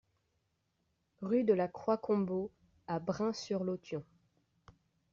Rue de la Croix Combeau à Brain-sur-l'Authion